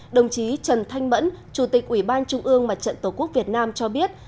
đồng chí trần thanh mẫn chủ tịch ủy ban trung ương mặt trận tổ quốc việt nam cho biết